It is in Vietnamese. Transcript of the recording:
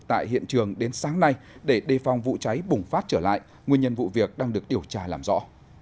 tại hiện trường đến sáng nay để đề phòng vụ cháy bùng phát trở lại nguyên nhân vụ việc đang được điều tra làm rõ